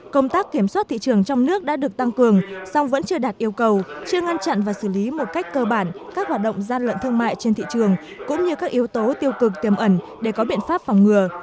công tác kiểm soát thị trường trong nước đã được tăng cường song vẫn chưa đạt yêu cầu chưa ngăn chặn và xử lý một cách cơ bản các hoạt động gian lận thương mại trên thị trường cũng như các yếu tố tiêu cực tiềm ẩn để có biện pháp phòng ngừa